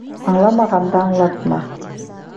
Аңламағанды аңлатма.